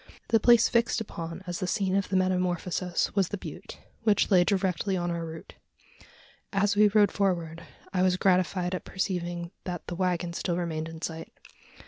The place fixed upon as the scene of the metamorphosis was the butte which lay directly on our route. As we rode forward, I was gratified at perceiving that the waggon still remained in sight.